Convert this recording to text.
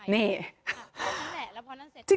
นี่